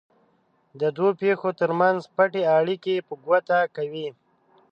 د دوو پېښو ترمنځ پټې اړیکې په ګوته کوي.